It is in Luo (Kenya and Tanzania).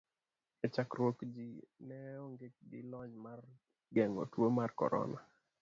E chakruok ji ne onge gi lony mar geng'o tuo mar korona.